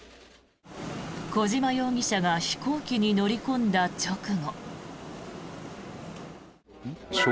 小島容疑者が飛行機に乗り込んだ直後。